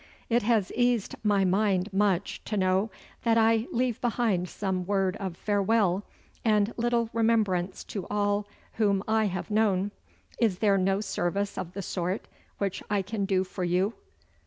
'It has eased my mind much to know that I leave behind some word of farewell, and little remembrance to all whom I have known. Is there no service of the sort which I can do for you?